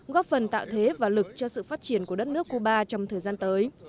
góp phần tạo thế và lực cho sự phát triển của đất nước cuba trong thời gian tới